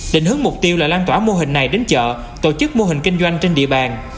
định hướng mục tiêu là lan tỏa mô hình này đến chợ tổ chức mô hình kinh doanh trên địa bàn